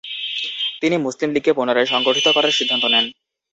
তিনি মুসলিম লীগকে পুনরায় সংগঠিত করার সিদ্ধান্ত নেন।